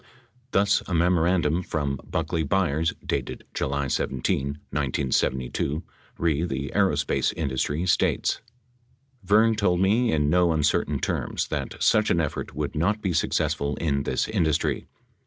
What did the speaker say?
Thus, a memorandum from Buckley Byers dated July 17, 1972, re the aerospace industry, states : Vern told me in no uncertain terms that such an effort would not be successful in this industry.